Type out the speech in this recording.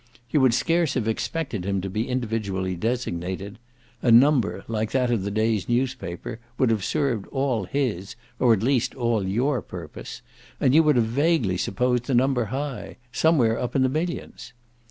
You would scarce have expected him to be individually designated: a number, like that of the day's newspaper, would have served all his, or at least all your purpose, and you would have vaguely supposed the number high somewhere up in the millions.